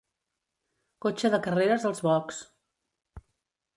Cotxe de carreres als boxs.